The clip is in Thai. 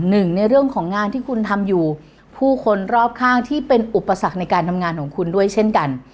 หนึ่งในเรื่องของงานที่คุณทำอยู่ผู้คนรอบข้างที่เป็นอุปสรรคในการทำงานของคุณด้วยเช่นกัน